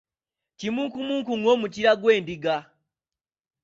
Kimunkumunku ng’omukira gw’endiga.